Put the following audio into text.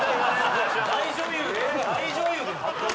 ・大女優。